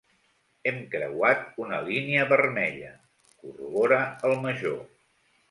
Hem creuat una línia vermella —corrobora el Major.